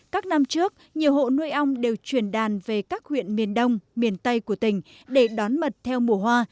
các năm trước nhiều hộ nuôi ong đều chuyển đàn về các huyện miền đông miền tây của tỉnh để đón mật theo mùa hoa